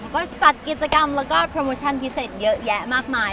ก็จัดกิจกรรมแล้วก็โปรโมชั่นพิเศษเยอะแยะมากมาย